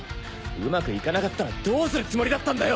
うまくいかなかったらどうするつもりだったんだよ！？